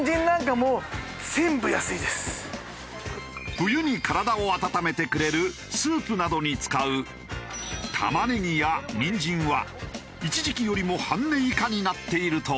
冬に体を温めてくれるスープなどに使うタマネギやニンジンは一時期よりも半値以下になっているという。